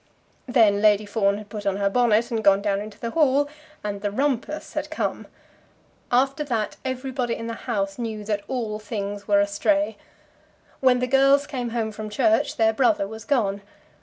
Then Lady Fawn had put on her bonnet and gone down into the hall, and the "rumpus" had come. After that, everybody in the house knew that all things were astray. When the girls came home from church, their brother was gone.